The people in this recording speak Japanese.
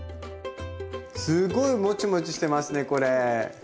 すごいモチモチしてますねこれ。